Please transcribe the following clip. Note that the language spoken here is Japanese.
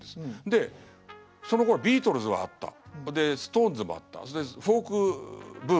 でそのころビートルズはあったストーンズもあったフォークブームもあった。